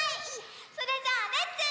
それじゃあレッツ。